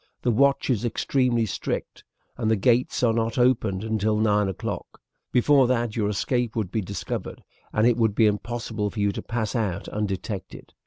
The watch is extremely strict, and the gates are not opened until nine o'clock. Before that your escape would be discovered, and it will be impossible for you to pass out undetected.